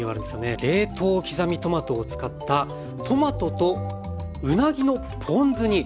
冷凍刻みトマトを使ったトマトとうなぎのポン酢煮。